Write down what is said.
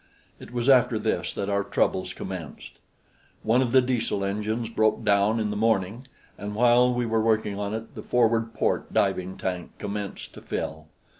It was after this that our troubles commenced. One of the Diesel engines broke down in the morning, and while we were working on it, the forward port diving tank commenced to fill.